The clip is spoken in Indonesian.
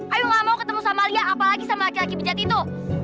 ayo gak mau ketemu sama lia apalagi sama laki laki penjati itu